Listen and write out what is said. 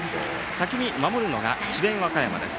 先に守るのが智弁和歌山です。